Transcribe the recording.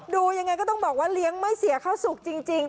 ยังไงก็ต้องบอกว่าเลี้ยงไม่เสียเข้าสุขจริง